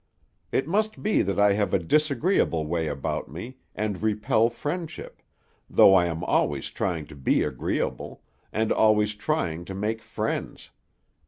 It must be that I have a disagreeable way about me, and repel friendship, though I am always trying to be agreeable, and always trying to make friends.